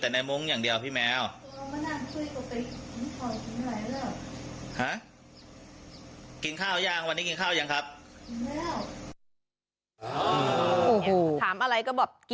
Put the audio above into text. ถามอะไรก็บอกกินข้าวแล้วอะไรอย่างนี้